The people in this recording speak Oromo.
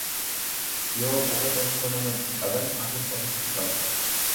Yoo quba tokko namatti qaban afur ofitti qabu.